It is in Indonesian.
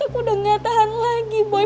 aku udah gak tahan lagi boy